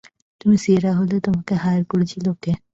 তুমি সিয়েরা হলে, তোমাকে হায়ার করেছিল কে?